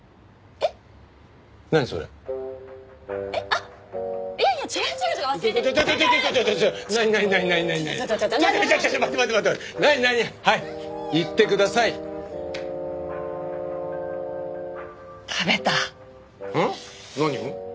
えっ？何を？